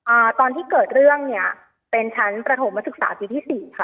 อ่าตอนที่เกิดเรื่องเนี้ยเป็นชั้นประถมมาศึกษาปีที่สี่ค่ะ